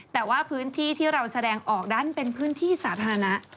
แต่ว่าพื้นที่ที่เราแสดงออกนั้นเป็นพื้นที่สาธารณะ